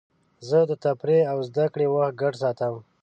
زه د تفریح او زدهکړې وخت ګډ ساتم.